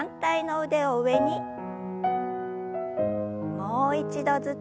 もう一度ずつ。